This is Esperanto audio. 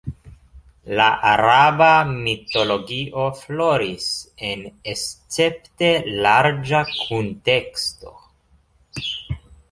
La araba mitologio floris en escepte larĝa kunteksto.